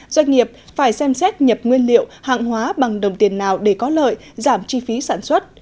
doanh nghiệp phải xem xét nhập nguyên liệu hàng hóa bằng đồng tiền nào để có lợi giảm chi phí sản xuất